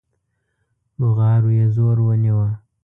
بغارو يې زور ونيو.